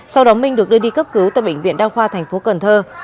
sau đó minh được đưa đi cấp cứu tại bệnh viện đa khoa thành phố cần thơ